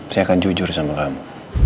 saya akan jujur sama kamu